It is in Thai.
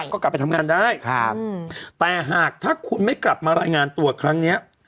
ก็กลับไปทำงานได้แต่หากถ้าคุณไม่กลับมารายงานตัวครั้งนี้